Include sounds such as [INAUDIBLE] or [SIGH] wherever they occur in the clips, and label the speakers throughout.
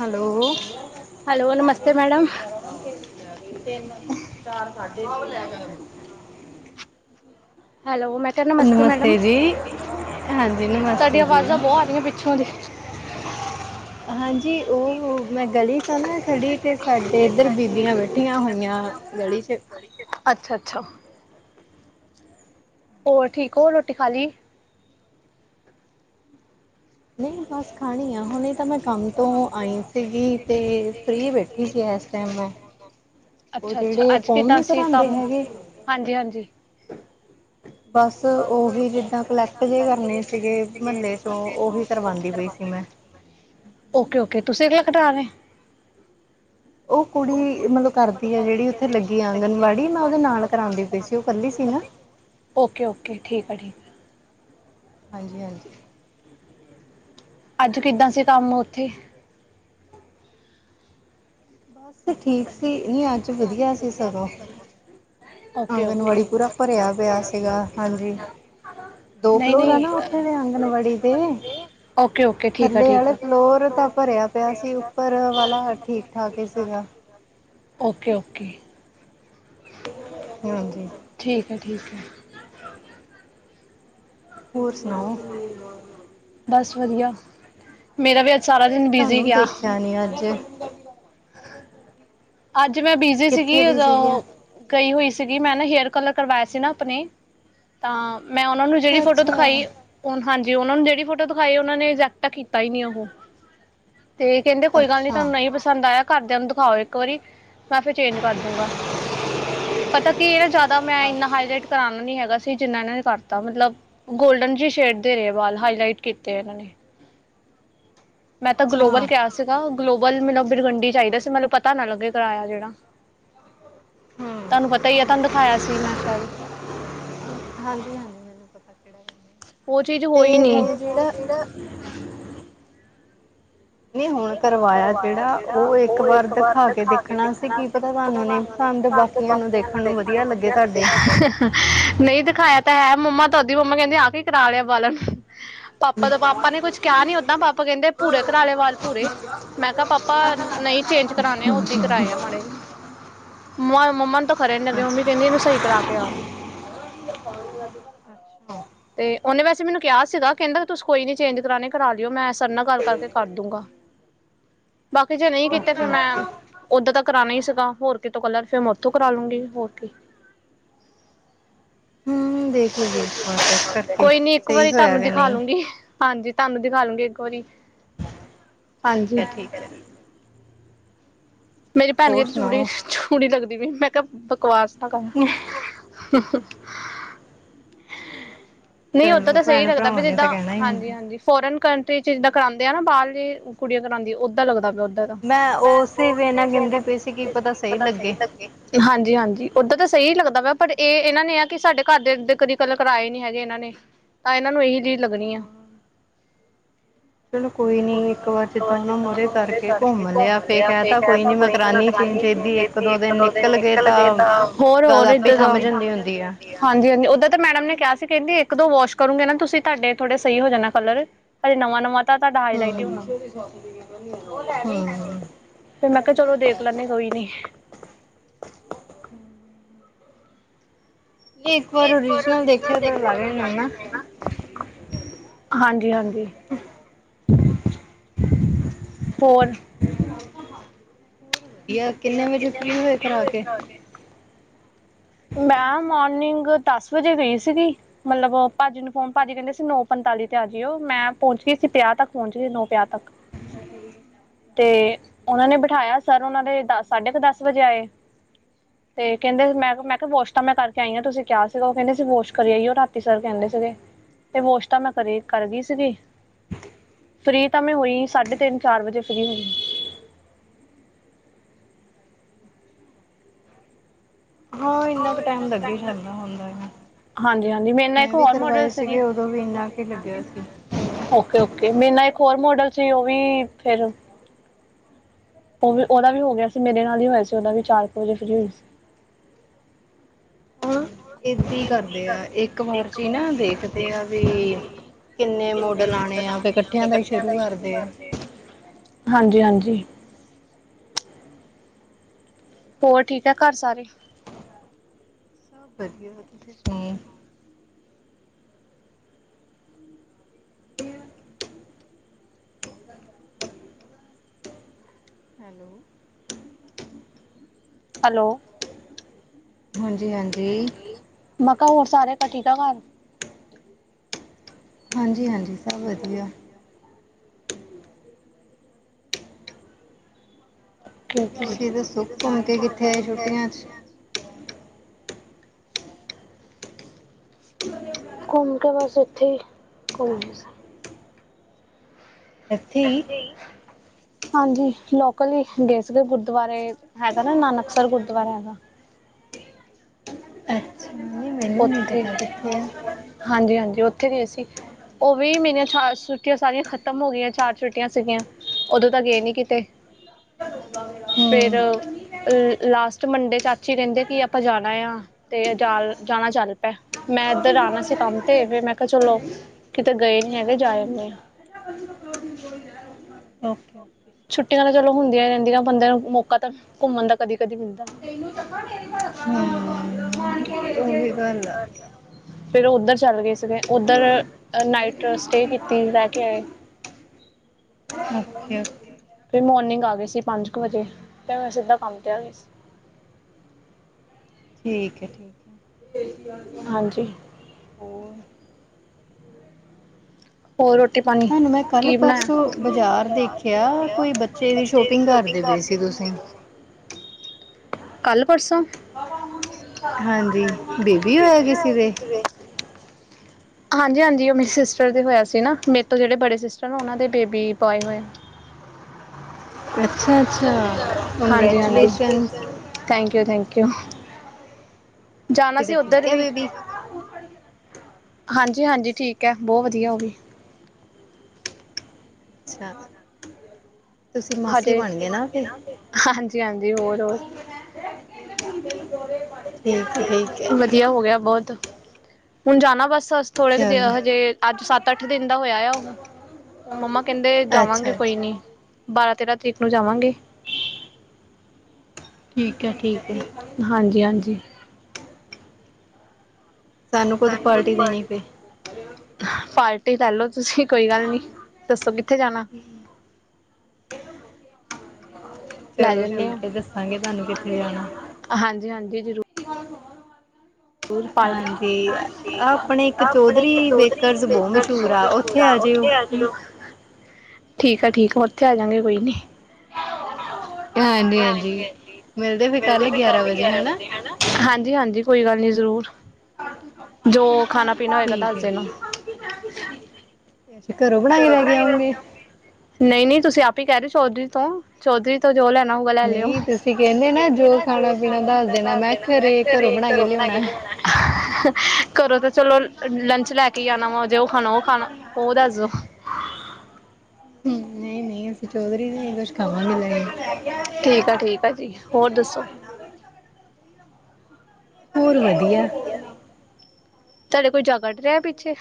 Speaker 1: Hello [INAUDIBLE]
Speaker 2: hello ਮੈਂ ਕਿਹਾ ਨਮਸਤੇ ਮੈਡਮ। [UNINTELLIGIBLE] ਤੁਹਾਡੀ ਆਵਾਜ਼ਾਂ ਬਹੁਤ ਆ ਰਹੀਆਂ ਪਿੱਛੂਆਂ ਦੀ।
Speaker 1: ਹਾਂਜੀ ਉਹ ਮੈਂ ਗਲੀ ਚ ਆਂ ਨਾ ਖੜੀ ਤੇ ਸਾਡੇ ਇੱਧਰ ਬੀਬੀਆਂ ਬੈਠੀਆਂ ਹੋਈਆਂ। ਗਲੀ ਚ
Speaker 2: ਅੱਛਾ-ਅੱਛਾ ਹੋਰ ਠੀਕ ਹੋ ਰੋਟੀ ਖਾਲੀ?
Speaker 1: ਨਈਂ ਬਸ ਖਾਣੀ ਆ ਹੁਣੇ ਤਾਂ ਮੈਂ ਕੰਮ ਤੋਂ ਆਈ ਸੀਗੀ ਤੇ ਫਰੀ ਬੈਠੀ ਸੀ ਇਸ ਟਾਈਮ ਮੈਂ, ਉਹ ਜਿਹੜੇ ਫੋਰਮ ਨਹੀਂ ਭਰਾਂਦੇ ਹੈਗੇ।
Speaker 2: ਹਾਂਜੀ ਹਾਂਜੀ।
Speaker 1: ਬਸ ਉਹੀ ਜਿੱਦਾਂ ਕਲੈਕਟ ਜੇ ਕਰਨੇਂ ਸੀਗੇ। ਮਹੱਲੇ ਚੋਂ ਉਹੀ ਕਰਵਾਂਦੀ ਪਈ ਸੀ ਮੈਂ। [INAUDIBLE]
Speaker 2: ਓਕੇ ਓਕੇ ਤੁਸੀਂ [UNINTELLIGIBLE]
Speaker 1: ਉਹ ਕੁੜੀ ਮਤਲਬ ਕਰਦੀ ਆ ਜਿਹੜੀ ਉੱਥੇ ਲੱਗੀ ਆਂਗਨਵਾੜੀ, ਮੈਂ ਉਹਦੇ ਨਾਲ ਕਰਾਂਦੀ ਪਈ ਸੀ, ਉਹ ਕੱਲੀ ਸੀ ਨਾਂ।
Speaker 2: ਓਕੇ ਓਕੇ, ਠੀਕ ਆ ਠੀਕ।
Speaker 1: ਹਾਂਜੀ ਹਾਂਜੀ।
Speaker 2: ਅੱਜ ਕਿੱਦਾਂ ਸੀ ਕੰਮ ਉੱਥੇ।
Speaker 1: ਬਸ ਠੀਕ ਸੀ ਨ੍ਹੀਂ ਅੱਜ ਵਧੀਆ ਸੀ ਸਗੋਂ। ਆਂਗਨਵਾੜੀ ਪੂਰਾ ਭਰਿਆ ਪਿਆ ਸੀਗਾ, ਹਾਂਜੀ। ਦੋ ਫਲੋਰ ਆ ਨਾਂ ਉੱਥੇ ਦੇ ਆਂਗਨਵਾੜੀ ਦੇ।
Speaker 2: ਓਕੇ-ਓਕੇ
Speaker 1: ਥੱਲੇ ਵਾਲੇ ਫਲੋਰ ਤਾਂ ਭਰਿਆ ਪਿਆ ਸੀ। ਉੱਪਰ ਵਾਲਾ ਠੀਕ-ਠਾਕ ਹੀ ਸੀਗਾ।
Speaker 2: ਓਕੇ-ਓਕੇ।
Speaker 1: ਹਂ ਹਂ।
Speaker 2: ਠੀਕ ਐ ਠੀਕ ਐ।
Speaker 1: ਹੋਰ ਸੁਣਾਓ।
Speaker 2: ਬਸ ਵਧੀਆ, ਮੇਰਾ ਵੀ ਅੱਜ ਸਾਰਾ ਦਿਨ ਬਿਜੀ਼ ਗਿਆ।
Speaker 1: ਨੀਂ ਅੱਜ
Speaker 2: ਅੱਜ ਮੈਂ ਬਿਜੀ ਸੀਗੀ ਦ ਗਈ ਹੋਈ ਸੀਗੀ, ਮੈਂ ਨਾ ਹੇਅਰ ਕਲਰ ਕਰਵਾਇਆ ਸੀ ਨਾ ਆਪਨੇ ਤਾਂ ਮੈਂ ਉਹਨਾਂ ਨੂੰ ਜਿਹੜੀ ਫੋਟੋ ਦਿਖਾਈ ਹਾਂਜੀ, ਉਹਨਾਂ ਨੂੰ ਜਿਹੜੀ ਫੋਟੋ ਦਿਖਾਈ ਉਹ ਨੇ ਇਜੈਕਟ ਕੀਤਾ ਹੀ ਨੀ ਉਹ ਤੇ ਕਹਿੰਦੇ ਕੋਈ ਗੱਲ ਨੀ ਤੁਹਾਨੂੰ ਨਹੀਂ ਪਸੰਦ ਆਇਆ ਘਰਦਿਆਂ ਨੂੰ ਦਿਖਾਓ ਇੱਕ ਵਾਰੀ। ਮੈਂ ਫਿਰ ਚੇਂਜ ਕਰ ਦੂੰਗਾ। ਪਤਾ ਕਿ ਇਹ ਨਾ ਜ਼ਿਆਦਾ ਮੈਂ ਇੰਨਾ ਹਾਈਲਾਈਟ ਕਰਾਉਣਾ ਨੀ ਹੈਗਾ ਸੀ ਜਿੰਨਾ ਇਹਨਾਂ ਨੇ ਕਰਤ ਮਤਲਬ ਗੋਲਡਨ ਜੀ ਸ਼ੇਡ ਦੇ ਰਹੇ ਬਾਲ, ਹਾਈਲਾਈਟ ਕੀਤੇ ਇਹਨਾਂ ਨੇ। ਮੈਂ ਤਾਂ ਗਲੋਬਲ ਕਿਹਾ ਸੀਗਾ, ਗਲੋਬਲ ਮੈਨੂੰ ਬਿਰਗੰਡੀ ਚਾਹੀਦਾ ਸੀ ਮੈਨੂੰ ਪਤਾ ਨਾ ਲੱਗੇ ਕਰਇਆ ਜਿਹੜਾ ਤੁਹਾਨੂੰ ਪਤਾ ਹੀ ਆ ਤੁਹਾਨੂੰ ਦਿਖਾਇਆ ਸੀ ਮੈਂ ਸ਼ਾਇਦ।
Speaker 1: ਹਾਂਜੀ-ਹਾਂਜੀ, ਮੈਨੂ ਪਤਾ ਕਿਹੜਾ
Speaker 2: ਉਹ ਚੀਜ਼ ਹੋਈ ਨੀ। ਨੀ ਹੁਣ ਕਰਵਾਇਆ ਜਿਹੜਾ ਉਹ ਇੱਕ ਵਾਰ ਦਿਖਾ ਕੇ ਦੇਖਣਾ ਤੇ ਕੀ ਪਤਾ ਤੁਹਾਨੂੰ ਨੀ ਪਸੰਦ ਬਾਕੀਆਂ ਨੂੰ ਦੇਖਣ ਨੂੰ ਵਧੀਆ ਲਗੇ ਨਹੀਂ ਦਿਖਾਇਆ ਤਾਂ ਹੈ ਮੰਮਾ ਤਦ ਮੰਮਾ ਕਹਿੰਦੀ ਆ ਕੀ ਕਰਾ ਲਿਆ ਵਾਲਾ ਨੂੰ ਪਾਪਾ ਦਾ ਪਾਪਾ ਨੇ ਕੁੱਝ ਕਿਹਾ ਨੀ ਓਦਾਂ ਪਾਪਾ ਕਹਿੰਦੇ ਭੂਰੇ ਕਰਾਲੇ ਵਾਲ ਮੈਂ ਕਿਹਾ ਪਾਪਾ ਨਹੀਂ ਚੇਂਜ ਕਰਾਣੇ ਆ ਉਹਦੀ ਹੀ ਕਰਾਏ ਆ ਮਾ ਮਾ ਮੰਮਾ ਨੂੰ ਤਾਂ ਖਰੇ ਨੀ ਲੱਗੇ ਮੰਮੀ ਕਹਿੰਦੀ ਇਹਨੂੰ ਸਹੀ ਕਰਾਕੇ ਆ।
Speaker 1: ਹ [UNINTELLIGIBLE]
Speaker 2: ਤੇ, ਉਹਨੇ ਵੈਸੇ ਮੈਨੂੰ ਕਿਹਾ ਸੀਗਾ, ਕਹਿੰਦਾ, ਤੁਸੀਂ ਕੋਈ ਨੀ ਚੇਂਜ ਕਰਾਉਣੇ ਕਰਾ ਲਿਓ, ਮੈਂ ਸਰ ਨਾਲ ਗੱਲ ਕਰਕੇ ਕਰ ਦੂੰਗਾ। ਬਾਕੀ, ਜੇ ਨਹੀਂ ਕੀਤੇ ਫਿਰ ਮੈਂ ਉਦੋਂ ਤਾਂ ਕਰਾਉਣਾ ਹੀ ਸੀਗਾ ਹੋਰ ਕਿਤੋਂ ਕਲਰ ਫਿਰ ਮੈਂ, ਉਥੋ ਕਰਾ ਲੂੰਗੀ ਹੋਰ ਕੇ।
Speaker 1: ਹੂੰ ਦੇਖ ਲੇਗੇ, ਇੱਕ ਵਾਰ ਚੈੱਕ ਕਰਕੇ ਸਹੀ ਹੋਇਆ ਕਿ ਨਹੀਂ।
Speaker 2: ਤੁਹਾਨੂੰ ਦਿਖਾ ਲੂੰਗੀ, ਇੱਕ ਵਾਰੀ।
Speaker 1: ਠੀਕ ਹੈ-ਠੀਕ ਹੈ।
Speaker 2: ਮੇਰੀ ਭੈਣ ਕਹਦੀ, ਚੂੜੀ-ਚੂੜੀ ਲੱਗਦੀ ਪਈ ਮੈਂ ਕਿਹਾ ਬਕਵਾਸ ਨਾ ਕਰ।
Speaker 1: ਹੂੰ।
Speaker 2: ਹ [UNINTELLIGIBLE] ਨਹੀਂ, ਓਦਾਂ ਤਾਂ ਸਹੀ ਲੱਗਦਾ ਪਿਆ ਜਿੱਦਾਂ ਹਾਂਜੀ-ਹਾਂਜੀ। ਫੋਰਨ ਕੰਟਰੀ ਚ ਜਿੱਦਾਂ ਕਰਾਉਂਦੇ, ਆ ਨਾ ਬਾਹਰਲੀ ਕੁੜੀਆਂ ਕਰਾਉਦੀਆਂ ਉੱਦਾਂ ਲੱਗਦਾ ਪਿਆ। ਚਲੋ, ਮੈਂ ਉਸ ਹੀ ਵੇਲੇ ਗਿਨਦੀ ਪਈ ਸੀ ਕਿ ਪਤਾ ਸਹੀ ਲੱਗੇ ਹਾਂਜੀ-ਹਾਂਜੀ, ਉਹਦਾਂ ਤਾਂ ਸਹੀ ਲੱਗਦਾ ਪਿਆ, ਪਰ ਇਹ ਇਹਨਾਂ ਨੇ ਆ ਕਿ ਸਾਡੇ ਘਰ ਦੇ ਕਦੀ ਕੱਲ ਕਰਰਾਏ ਨੀ ਹੈਗੇ ਇਹਨਾਂ ਨੇ ਨਹੀ, ਤਾਂ ਇਹਨਾਂ ਨੂੰ ਇਹੀ ਅਜੀਬ ਲੱਗਣੀ ਆ ਕੋਈ ਨੀ ਉਹਰੇ ਕਰਕੇ ਘੁੰਮ ਲਿਆ ਫਿਰ ਕਹਿ ਤ ਕੋਈ ਨੀ ਮੈਂ ਕਰਾਦੀ ਜੇ ਇੱਕ-ਦੋ ਦਿਨ ਨਿਕਲ ਗਏ ਤਾਂ ਹੋਰ-ਹੋਰ ਏਦਾਂ ਥਮ ਜਾਂਦੀ ਉਹਦੀ ਹਾਂਜੀ-ਹਾਂਜੀ, ਉਹਦਾਂ ਤਾਂ ਮੈਡਮ ਨੇ ਕਿਹਾ ਸੀ ਕਹਿੰਦੀ ਇੱਕ-ਦੋ ਵਾਸ਼ ਕਰੂਗੇ ਨਾ ਤੁਸੀਂ ਤੁਹਾਡੇ ਥੋੜੇ ਸਹੀ ਹੋ ਜਾਣਾ ਕਲਰ ਅਜੇ ਨਵਾਂ-ਨਵਾਂ ਤਾਂ
Speaker 1: ਹੂੰ-ਹੂੰ।
Speaker 2: ਫਿਰ ਮੈਂ ਕਿਹਾ ਚਲੋ ਦੇਖ ਲੈਂਨੀ ਕੋਈ ਨੀ। ਤੇ ਇੱਕ ਵਾਰ ਔਰਜਨਲ ਦੇਖਦੇ ਹਾਂ ਤਾ ਲਾਏ ਨਹੀਂ ਨਾ। ਹਾਂਜੀ-ਹਾਂਜੀ। ਹੋਰ
Speaker 1: ਹੋਰ ਵਧੀਆ, ਕਿੰਨੇ ਵਜੇ ਫ੍ਰੀ ਹੋਏ ਕਰਆ ਕੇ?
Speaker 2: ਮੈਮ ਮੋਰਨਿੰਗ ਦਸ ਵਜੇ ਗਈ ਸੀਗੀ। ਮਤਲਬ, ਭਾਜੀ ਨੂੰ ਫੋਨ, ਭਾਜੀ ਕਹਿੰਦੇ ਸੀ ਨੌ ਪੰਤਾਲੀ ਤੇ ਆ ਜੀਓ, ਮੈਂ ਪਹੁੰਚ ਗਈ ਸੀ ਪੰਜਾਹ ਤੱਕ। ਪਹੁੰਚ ਗੀ, ਨੋ ਪੰਜਾ ਤੱਕ ਤੇ ਉਹਨਾਂ ਨੇ ਬਿਠਾਇਆ ਸਰ ਉਹਨਾਂ ਦੇ ਦ ਸਾਢੇ ਕੁ ਦਸ ਵਜੇ ਆਏ।
Speaker 1: ਹ [INAUDIBLE]
Speaker 2: ਤੇ ਕਹਿੰਦੇ, ਮੈਂ-ਮੈਂ ਕਿਹਾ ਵੋਸ਼ ਤਾਂ ਮੈਂ ਕਰਕੇ ਆਈ ਹਾਂ, ਤੁਸੀਂ ਕਿਹਾਿਆ ਸੀਗਾ ਉਹ ਕਹਿੰਦੇ ਸੀ ਵੋਸ਼ ਕਰੀ ਆਈਓ ਰਾਤੀ ਸਰ ਕਹਿੰਦੇ ਸੀਗੇ। ਤੇ ਵੋਸ਼ ਤਾਂ, ਮੈਂ ਕਰੀ ਕਰ ਗਈ ਸੀਗੀ। ਫ੍ਰਰੀ ਤਾਂ ਮੈਂ ਹੋਈ ਸਾਢੇ ਤਿੰਨ ਚਾਰ ਵਜੇ ਫ੍ਰਰੀ ਹੋਈ।
Speaker 1: ਹ ਹਾਂ, ਇੰਨਾ ਕੁ ਟਾਈਮ ਲੱਗ ਹੀ ਜਾਂਦਾ ਹੁੰਦਾ ਆ। ਮੈਂ ਵੀ ਕਰਵਾਏ ਸੀਗੇ ਉਦੋਂ ਵੀ ਇੰਨਾ ਕੀ ਟੈਮ ਲੱਗਿਆ ਸੀ।
Speaker 2: ਓਕੇ ਓਕੇ, ਬੇਨਾ ਇੱਕ ਹੋਰ ਮੋਡਲ ਸੀ ਉਹ ਵੀ ਫੇਿਰ। ਉਹ ਵੀ ਉਹਦਾ ਵੀ ਹੋ ਗਿਆ ਸੀ ਮੇਰੇ ਨਾਲ ਹੀ ਹੋਇਆ ਸੀ ਉਹਦਾ ਵੀ ਚਾਰ ਕੁ ਵਜੇ ਫ੍ਰਰੀ ਹੋਈ ਸੀ।
Speaker 1: ਏਦ ਕਰਦੇ ਆ ਇੱਕ ਵਾਰ ਵਿਚ ਨਾ ਦੇਖਦੇ ਆਵੀ। ਕਿੰਨੇ ਮੋਡਲ ਆਉਣੇ ਆ ਇਕੱਠਿਆਂ ਦਾ ਹੀ ਸ਼ੁਰੂ ਕਰਦੇ ਆ।
Speaker 2: ਹਾਂਜੀ, ਹਾਂਜੀ, ਹੋਰ ਠੀਕ ਹੈਘਰ ਸਾਰੇ।
Speaker 1: ਸਭ ਵਧੀਆ ਤੁਸੀਂ ਸੁਣ ਹੈਲੋ
Speaker 2: ਹੈਲੋ,
Speaker 1: ਹਾਂਜੀ, ਹਾਂਜੀ,
Speaker 2: ਮਕਾ ਹੋਰ, ਸਾਰੇ ਕਠਿਕ ਘਰ
Speaker 1: ਹਾਂਜੀ, ਹਾਂਜੀ, ਸਭ ਵਧੀਆ। ਤੁਸੀਂ ਦੱਸੋ ਘੁੰਮ ਕੇ ਕਿੱਥੇ ਆਏ ਛੁਟੀਆਂ 'ਚ
Speaker 2: ਘੁੰਮ ਕੇ ਬਸ ਇੱਥੇ ਹੀ ਘੁੰਮ ਅੱੇ ਹਾਂਜੀ ਲੋਕਲ ਹੀ ਗਏ ਸੀਗੇ ਗੁਰਦੁਆਰੇ ਹੈਗਾ ਨਾ ਨਾਨਕਸਰ ਗੁਰਦੁਆਰਾ ਹੈਗਾ।
Speaker 1: ਅੱਛਾ ਜ ਮੇਰੇ
Speaker 2: ਉੱਥੇ ਹਾਂਜੀ ਹਾਂਜੀ ਉੱਥੇ ਗਏ ਅਸੀ। ਉਹ ਵੀ ਮੇਰੀਆਂ ਛ ਛੁੱਟੀਆਂ ਸਾਰੀਆਂ ਖ਼ਤਮ ਹੋ ਗਈਆਂ ਚਾਰ ਛੁੱਟੀਆਂ ਸੀਗੀਆਂ। ਉਦੋਂ ਤਾਂ ਗਏ ਨੀ ਕਿਤੇ
Speaker 1: ਹ [UNINTELLIGIBLE]
Speaker 2: ਫੇਰ ਲਾਸਟ ਮੰਡੇ ਚਾਚੀ ਕਹਿੰਦੇ ਕਿ ਆਪਾਂ ਜਾਣਾ ਆ ਤੇ ਅਜਾਲ ਜਾਣਾ ਚੱਲ ਪਿਆ ਮੈਂ ਇੱਧਰ ਆਉਣਾ ਸੀ ਕੰਮ ਤੇ ਫਿਰ ਮੈਂ ਕਿਹਾ ਚਲੋ। ਕਿਤੇ ਗਏ ਨੀ ਹੈਗੇ ਜਾਏ ਜਾਂਦੇ ਆ।
Speaker 1: ਓਕੇ ਓਕੇ
Speaker 2: ਛੁੱਟੀਆਂ ਤਾਂ ਚਲੋ ਹੁੰਦੀਆਂ ਰਹਿੰਦੀਆ ਬੰਦਿਆਂ ਨੂੰ ਮੌਕਾ ਤਾਂ ਘੁੰਮਣ ਦਾ ਕਦੀ ਕਦੀ ਮਿਲਦਾ।
Speaker 1: ਹਮ,
Speaker 2: ਹਾਂ ਬ ਅ ਫੇਿਰ ਉਹ ਉੱਧਰ ਚੱਲ ਗਏ ਸੀਗੇ। ਉੱਧਰ ਨਾਈਟ ਸਟੇ ਕੀਤੀ ਲੈ ਕੇ ਆਏ।
Speaker 1: Okay, okay.
Speaker 2: ਫਿਰ ਮੋਰਨਿੰਗ ਆ ਗਈ ਸੀ ਪੰਜ ਕੁ ਵਜੇ ਫ ਮੈਂ ਸਿੱਧਾ ਕੰਮ 'ਤੇ ਆ ਗਈ ਸੀ।
Speaker 1: ਠੀਕ ਹੈ ਠ।
Speaker 2: ਹਾਂਜੀ,
Speaker 1: ਤਾਨੂੰ ਮੈਂ ਕੱਲ ਪਰਸੋਂ ਬਾਜ਼ਾਰ ਦੇਖਿਆ ਕੋਈ ਬੱਚੇ ਦੀ ਸ਼ੋਪਿੰਗ ਕਰਦੇ ਪਏ ਸੀ ਤੁਸੀਂ। ਨਹੀਂੇ
Speaker 2: ਕੱਲ, ਪਰਸੋਂ।
Speaker 1: ਹਾਂਜੀ, ਬੇਬੀ ਹੋਆ ਕਿਸੇ ਦੇ
Speaker 2: ਹਾਂਜੀ ਹਾਂਜੀ ਉਹ ਮੇਰੇ ਸਿਸਟਰ ਦੇ ਹੋਇਆ ਸੀ ਨਾ ਮੇਰੇ ਤੋਂ ਜਿਹੜੇ ਬੜੇ ਸਿਸਟਰ ਨੇ ਉਹਨਾਂ ਦੇ ਬੇਬੀ ਬੋਏ ਹੋਏ ਆ। ਅੱਛਾ ਅੱਛਾ ਹਾਂਜੀ ਹਾਂਜੀ congratulations thank you thank you. ਜਾਣਾਂ ਸੀ ਉੱਧਰ ਵੀ। ਹਾਂਜੀ ਹਾਂਜੀ ਠੀਕ ਹੈ ਬਹੁਤ ਵਧੀਆ ਉਹ ਵੀ।
Speaker 1: ਅੱਛਾ
Speaker 2: ਹ ਹਾਂਜੀ ਹਾਂਜੀ ਹੋਰ ਹੋਰ ਵਧੀਆ ਹੋਗਿਆ ਬਹੁਤ ਹੁਣ ਜਾਣਾ ਬਸ ਥੋੜੇ ਕੁ ਹਜੇ ਅੱਜ ਸੱਤ ਅੱਠ ਦਿਨ ਦਾ ਹੋਇਆ ਆ ਉਹ। ਮੰਮਾ ਕਹਿੰਦੇ ਜਾਵਾਂਗੇ ਕੋਈ ਨੀ, ਬਾਰਾਂ, ਤੇਰਾਂ ਤਰੀਕ ਨੂੰ ਜਾਵਾਂਗੇ।
Speaker 1: ਠੀਕ ਹੈ- ਠੀਕ ਹੈ।
Speaker 2: ਹਾਂਜੀ- ਹਾਂਜੀ। ਸਾਨੂੰ ਖ਼ੁਦ ਪਾਰਟੀ ਦੇ। ਪਾਰਟੀ ਲੈਲੋ ਤੁਸੀਂ। ਕੋਈ ਗੱਲ ਨੀ ਦੱਸੋ ਕਿੱਥੇ ਜਾਣਾ।
Speaker 1: ਚਲੋ ਠੀਕ ਹੈ। ਦੱਸਾਂਗੇ ਤੁਹਾਨੂੰ ਕਿੱਥੇ ਜਾਣਾ। ਆ ਹੋ।
Speaker 2: ਰੋਜ਼ ਪਾਰਟੀ ਹਾਂਜੀ, ਆਪਣੇ ਇੱਕ ਦੋਧਰੀੇ ਬਹੁਤ ਮਸ਼ਹੂਰ ਆ ਉੱਥੇ ਆ ਜਾ। ਠੀਕ ਆ, ਠੀਕ ਉੱਥੇ ਆਜਾਗੇ ਕੋਈ ਨੀ। ਹਾਂਜੀ- ਹਾਂਜੀ ਮਿਲਦੇ ਫੇਰ, ਕੱਲ ਗਿਆਰਾਂ ਵੱਜੇ ਹਨਾ। ਹਾਂਜੀ- ਹਾਂਜੀ ਕੋਈ ਗੱਲ ਨੀ, ਜ਼ਰੂਰ।
Speaker 1: ਠੀਕ ਹੈ ਜੀ। ਅੱਛਾ ਘਰੋਂ ਬਣਾਈ ਲੈ ਕੇ ਆਉਗੇ।
Speaker 2: ਨਹੀਂ- ਨਹੀਂ ਤੁਸੀਂ ਆਪ ਹੀ, ਕਹਿ ਰਹੇ ਚੌਧਰੀ ਤੋਂ। ਚੌਧਰੀ ਤੋਂ ਜੋ ਲੈਣਾ ਹੋਊਗਾ ਲੈ ਲਿਓ। ਤੁਸੀ ਕਹਿੰਦੇ ਨਾ ਜੋ ਖਾਣਾ- ਪੀਣਾ ਘਰ ਨੈਂਾ [UNINTELLIGIBLE] ਘਰੋਂ ਬਣਾ ਕੇ ਲਿਆਣਾ। ਘਰੋ ਤੇ ਚਲੋਂ ਲੰਚ ਲੈ ਕੇ ਹੀ ਆਣਾ ਵਾ। ਜੇ ਉਹ ਖਾਣਾ ਉਹ ਖਾਣਾ ਉਹ ਦੱਸ ਦੋ।
Speaker 1: ਨਹੀਂ- ਨਹੀਂ ਅਸੀਂ ਚੌਧਰੀ ਜ ਕੁਛ ਖਾਵਾਂਗੇ ਲੇਕੇ।
Speaker 2: ਭਾਅ ਜੀ ਹੋਰ ਦੱਸੋ? ਤੁਹਾਡੇ ਕੋਈ ਜਗਟ ਰਿਹਾ ਪਿੱਛੇ।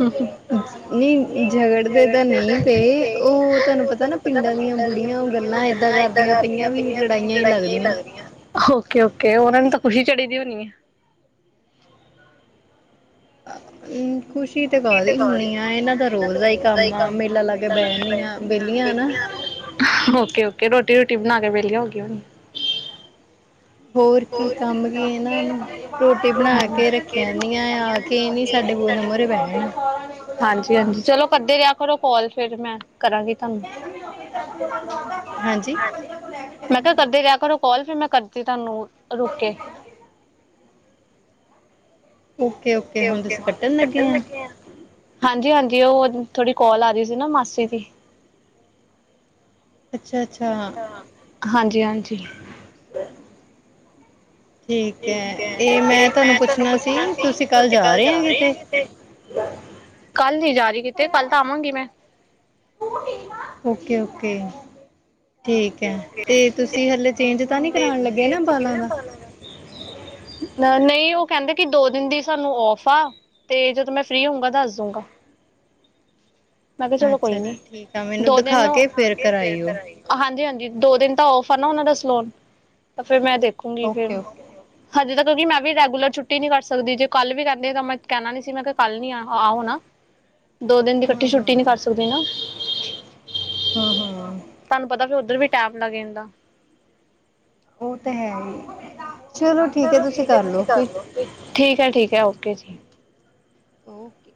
Speaker 2: ਨਹੀਂ ਜਗਟ ਦੇ ਤੇ ਨਹੀਂ ਪਏ ਉਹ ਉਧਰ। ਪਤਾ ਨਾ ਪਿੰਡਾਂ ਦੀਆਂ ਬੁੜੀਆਂ ਗੱਲਾਂ ਏਦਾਂ ਕਰਦੀਆਂ ਪਈਆਂ ਵੀ, ਲੜਾਈਆਂ ਹੀ ਲੱਗਦੀਆਂ। ਓਕੇ-ਓਕੇ ਉਹਨਾ ਨੂੰ ਤਾਂ, ਖੁਸ਼ੀ ਚੜੀ ਦੀ ਹੋਣੀ ਹੈ।
Speaker 1: ਖੁਸ਼ ਤੇ ਕਾਦੀ ਹੀ ਹੋਣੀ ਆ। ਇਹਨਾਂ ਦਾ ਰੋਜ਼ ਦਾ ਹੀ ਕੰਮ ਆ। ਮੇਲਾ ਲਾ ਕੇ ਬਹਿਣਦੀਆਂ ਵਿਹਲੀਆਂ ਨਾ।
Speaker 2: ਓਕੇ-ਓਕੇ, ਰੋਟੀ- ਰੂਟੀ, ਬਣਾ ਕੇ ਵਿਹਲੀ ਹੋ ਗਿਆ ਹੋਈਆਂ। ਹੋਰ ਕੀ ਕੰਮ ਕੀ ਹੈ, ਇਥੇ ਰੋਟੀ ਬਣਾ ਕੇ ਰੱਖੀਆਂ ਦੀਆਂ। ਹਾਂ ਕ ਸਡੇ ਕੋ ਹਾਂਜੀ-ਹਾਂਜੀ, ਚਲੋ ਕੱਰਦੇ ਰਿਹਾ ਕਰੋ, ਕਾਲ ਫੇਰ ਮੈਂ ਕਰਾਂਗੀ।
Speaker 1: ਹਾਂਜੀ।
Speaker 2: ਕਰਦੇ ਰਿਹਾ ਕਰੋ ਕਾਲ, ਫੇਰ ਮੈਂ ਕਰਦੀ ਤੁਹਾਨੂੰ ਰੁੱਕ ਕੇ। ਓਕੇ- ਓਕੇ ਹੁਣ ਤੁਸੀਂ ਕੱਠਣ ਲੱਗੇ ਆ। ਹਾਂਜੀ- ਹਾਂਜੀ ਉਹ ਥੋੜੀ ਕੋਲ, ਆ ਰਹੀ ਸੀ ਨਾ ਮਾਸੀ ਦੀ। ਹਾਂਜੀ- ਹਾਂਜੀ। ਠੀਕ ਹੈ, ਇਹ ਮੈਂ ਤੁਹਾਨੂੰ ਪੁੱਛਣਾ ਸੀ। ਤੁਸੀਂ ਕੱਲ ਜਾ ਰਹੇ ਹੋ। ਕਿਤ ਕੱਲ ਨੀ ਜਾ ਰਹੀ ਕਿਤੇ, ਕੱਲ ਤਾਂ ਆਵਾਂਗੀ ਮੈਂ।
Speaker 1: ਓਕੇ- ਓਕੇ ਠੀਕ ਹੈ, ਤੇ ਤੁਸੀਂ ਹਲੇ ਚੇਂਜ ਤਾ ਨੀ ਕਰਾਉਣ ਲੱਗੇ ਨਾ ਬਾਲਾਂ ਦਾ।
Speaker 2: ਨਹੀਂ ਉਹ ਕਹਿੰਦੇ, ਕਿ ਦੋ ਦਿਨ ਦੀ ਸਾਨੂੰ ਔਫ ਆ। ਤੇ ਜਦੋਂ ਮੈਂ ਫ਼੍ਰੀ ਹੋਊਂਗਾ ਦੱਸ ਦੂਗਾ। ਮੈਂ ਕਿਹਾ ਚਲੋ ਕੋਈ ਨੀ। ਦੋ ਦਿਨ ਆਕੇ ਫੇਰ ਕਰਾਂਗੇ। ਹਾਂਜੀ- ਹਾਂਜੀ ਦੋ ਦਿਨ ਤਾਂ ਔਫ, ਹੈ ਨਾ ਉਹਨਾਂ ਦਾ ਸਲੋਨ। ਤਾਂ ਫੇਰ ਮੈਂ ਦੇਖੂੰਗੀ ਫੇਰ।
Speaker 1: [INAUDIBLE]
Speaker 2: ਹਜੇ ਤਾਂ ਕਿਉਂਕਿ ਮੈਂ ਵੀ ਰੈਗੂਲਰ ਛੁੱਟੀ ਨਹੀਂ ਕਰ ਸਕਦੀ। ਜੇ ਕੱਲ ਵੀ ਕਹਿੰਦੇ ਤਾਂ, ਮੈਂ ਕਹਿਣਾ ਨਹੀਂ ਸੀ। ਮੈਂ ਤਾਂ ਕੱਲ ਨੀ ਆ ਉਹਨਾ।
Speaker 1: [INAUDIBLE]
Speaker 2: ਦੋ ਦਿਨ ਦੀ ਇਕੱਠੀ ਛੁੱਟੀ ਨੀ ਕਰ ਸਕਦੇ ਨਾ।
Speaker 1: ਹਾਂ-ਹਾਂ।
Speaker 2: ਤੁਹਾਨੂੰ ਪਤਾ ਵੀ ਉੱਧਰ ਵੀ ਟਾਈਮ ਲੱਗ ਜਾਂਦਾ।
Speaker 1: ਉਹ ਤਾਂ ਹੈ ਹੀ। ਚਲੋ ਠੀਕ ਹੈ ਤੁਸੀਂ ਕਰਲਓ ਫਿਰ।
Speaker 2: ਠੀਕ ਹੈ- ਠੀਕ ਹੈ ਓਕੇ ਜੀ।
Speaker 1: ਓਕੇ।